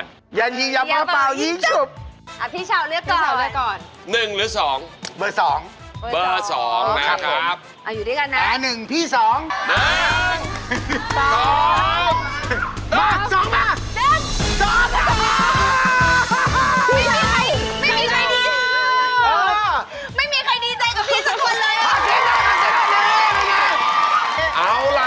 ดารามหาสนุกผู้ผ่านเข้ารอบแจ็คพอต